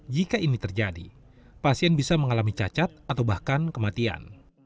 jika ini terjadi pasien bisa mengalami cacat atau bahkan kematian